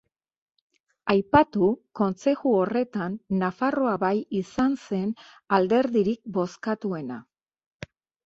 Aipatu kontzeju horretan Nafarroa Bai izan zen alderdirik bozkatuena.